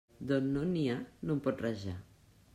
D'on no n'hi ha, no en pot rajar.